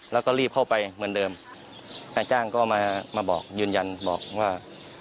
แล้วก็รีบเข้าไปเหมือนเดิมนายจ้างก็มามาบอกยืนยันบอกว่า